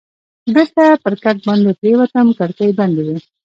بېرته پر کټ باندې پرېوتم، کړکۍ بندې وې.